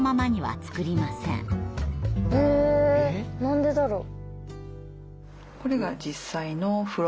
え何でだろう？